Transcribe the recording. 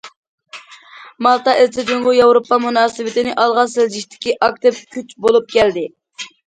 مالتا ئىزچىل جۇڭگو- ياۋروپا مۇناسىۋىتىنى ئالغا سىلجىتىشتىكى ئاكتىپ كۈچ بولۇپ كەلدى.